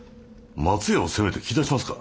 松屋を責めて聞き出しますか？